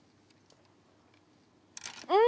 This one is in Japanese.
うん！